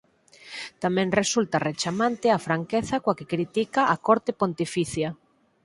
Tamén resulta rechamante a franqueza coa que critica á corte pontificia.